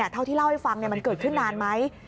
เท่าที่เล่าให้ฟังมันเกิดขึ้นนานไหม